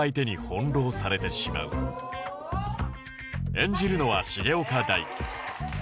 演じるのは重岡大毅